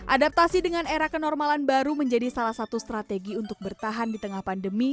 adaptasi dengan era kenormalan baru menjadi salah satu strategi untuk bertahan di tengah pandemi